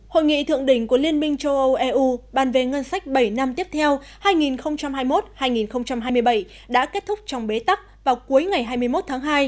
hội nghị thượng đỉnh của liên minh châu âu eu bàn về ngân sách bảy năm tiếp theo hai nghìn hai mươi một hai nghìn hai mươi bảy đã kết thúc trong bế tắc vào cuối ngày hai mươi một tháng hai